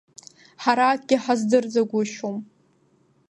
Ҳара акгьы ҳаздырӡагәышьом…